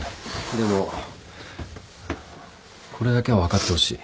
でもこれだけは分かってほしい。